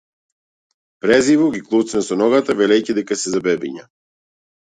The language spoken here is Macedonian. Презриво ги клоцна со ногата велејќи дека се за бебиња.